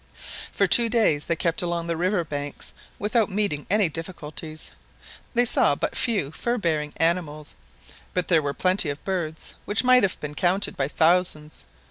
For two days they kept along the river banks without meeting with any difficulties. They saw but few fur bearing animals; but there were plenty of birds, which might have been counted by thousands.